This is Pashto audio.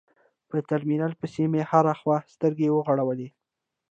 په ترمينل پسې مې هره خوا سترګې وغړولې.